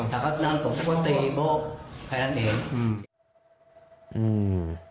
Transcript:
อ๋อถ้าเขานั่งผมก็ตีโบ๊คใครละเอง